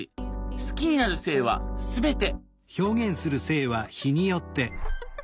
好きになる性は全て。